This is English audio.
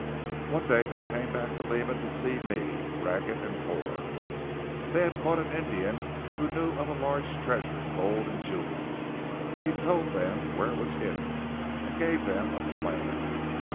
One day they came back to Lima to see me, ragged and poor. They had caught an Indian who knew of a large treasure in gold and jewels. He told them where it was hidden, and gave them a plan."